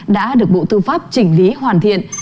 đã được bộ tư pháp chỉnh lý hoàn thiện